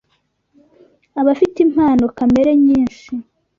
abafite impano kamere nyinshi